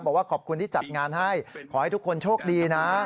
บอกว่าขอบคุณที่จัดงานให้ขอให้ทุกคนโชคดีนะ